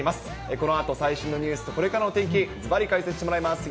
このあと、最新のニュースとこれからの天気、ずばり解説してもらいます。